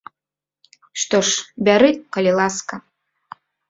Што ж, бяры, калі ласка.